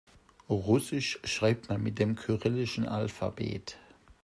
Russisch schreibt man mit dem kyrillischen Alphabet.